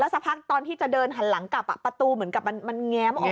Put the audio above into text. สักพักตอนที่จะเดินหันหลังกลับประตูเหมือนกับมันแง้มออก